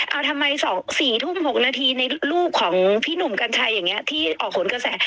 เอาทำไม๒๔ทุ่ม๖นาทีในรูปของพี่หนุ่มกัญชัยอย่างนี้ที่ออกผลกระแส